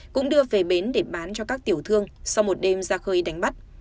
cũng đưa về bến để bán cho các tiểu thương sau một đêm ra khơi đánh bắt